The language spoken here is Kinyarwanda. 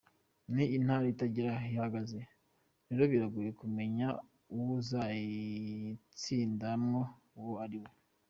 Ni intara itagira aho ihagaze rero biragoye kumenya uwuzoyitsindamwo uwo ari we.